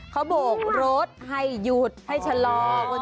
เขาโบกรถให้หยุดให้ชะลอ